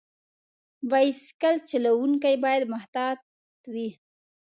بایسکل چلونکي باید محتاط وي.